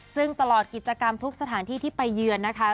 ซึ่งตลอดกิจกรรมทุกสถานที่ที่ไปเยือนนะคะ